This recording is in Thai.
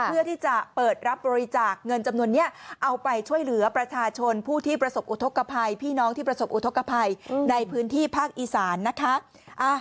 เพื่อที่จะเปิดรับบริจาคเงินจำนวนนี้เอาไปช่วยเหลือประชาชนผู้ที่ประสบอุทธกภัยพี่น้องที่ประสบอุทธกภัยในพื้นที่ภาคอีสานนะคะ